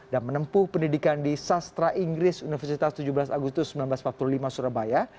dan menempuh pendidikan di sastra inggris universitas tujuh belas agustus seribu sembilan ratus empat puluh lima surabaya